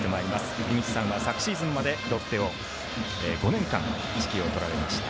井口さんは去年までロッテを５年間指揮を執られました。